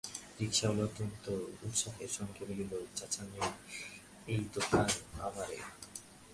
রিকশাওয়ালা অত্যন্ত উৎসাহের সঙ্গে বলল, চাচামিয়া, এই দেহেন আমারে।